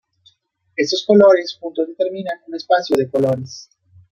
Estos colores juntos determinan un espacio de colores.